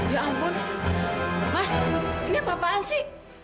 ya ampun mas ini apa apaan sih